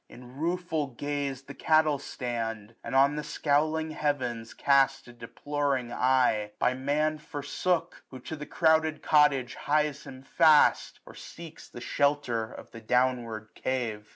In rueful gaze The cattle stand, and on the scowling heavens K 2 92 SUMMER. Cast a deploring eye ; by Man forsook, 1 125 Who to the crouded cottage hies him fast. Or seeks the shelter of the downward cave.